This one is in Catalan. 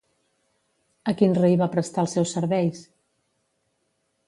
A quin rei va prestar els seus serveis?